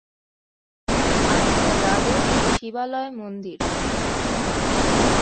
আছে দ্বাদশ সিবালয় মন্দির।